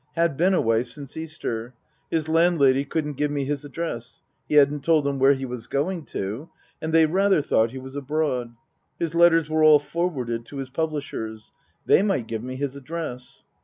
Had been away since Easter. His landlady couldn't give me his address. He hadn't told them where he was going to, and they rather thought he was abroad. His letters were all forwarded to his pub lishers. They might give me his address.